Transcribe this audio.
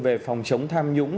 về phòng chống tham nhũng